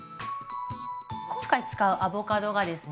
今回使うアボカドがですね